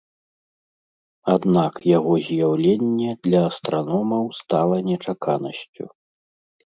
Аднак яго з'яўленне для астраномаў стала нечаканасцю.